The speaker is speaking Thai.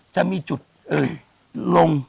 จะมีจุดลง